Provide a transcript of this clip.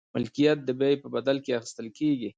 ملکیت د بیې په بدل کې اخیستل کیږي.